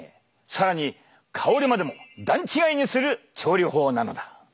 更に香りまでも段違いにする調理法なのだ！